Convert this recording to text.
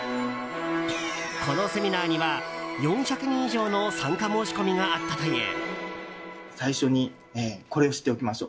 このセミナーには４００人以上の参加申し込みがあったという。